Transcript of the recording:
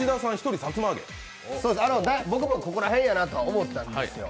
僕もここら辺やなとは思ったんですよ。